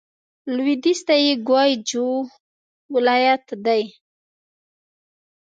لوېدیځ ته یې ګوای جو ولايت دی.